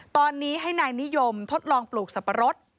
ตอนนี้ให้นายนิยมทดลองปลูกสับปะรด